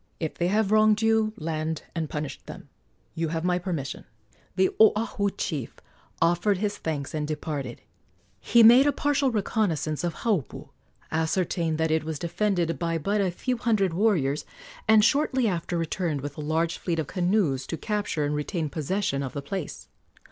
If they have wronged you, land and punish them. You have my permission." The Oahu chief offered his thanks and departed. He made a partial reconnoissance of Haupu, ascertained that it was defended by but a few hundred warriors, and shortly after returned with a large fleet of canoes to capture and retain possession of the place.